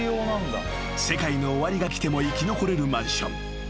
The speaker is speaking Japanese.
［世界の終わりが来ても生き残れるマンション］